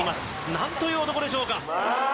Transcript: なんという男でしょうか。